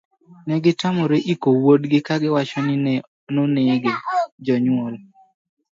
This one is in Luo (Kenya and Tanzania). negitamre iko wuodgi kagiwacho ni nonege. jonyuol